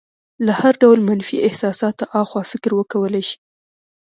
له هر ډول منفي احساساتو اخوا فکر وکولی شي.